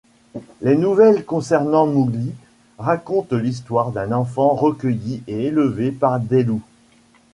Les nouvelles concernant Mowgli racontent l’histoire d’un enfant recueilli et élevé par des loups.